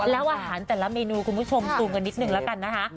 แล้วอาหารแต่ละเมนูคุณผู้ชมซูมกันนิดนึงแล้วกันนะคะ